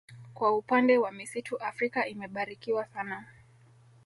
Kwa upande wa misitu Afrika imebarikiwa sana